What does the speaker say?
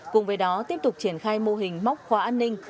cùng với đó tiếp tục triển khai mô hình móc khóa an ninh